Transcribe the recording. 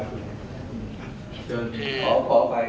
อ๋อพอไปค่ะ